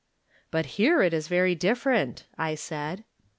" But here it is very different," I said.